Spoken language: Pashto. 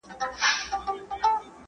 تقدیر د سستۍ پلمه نه ده.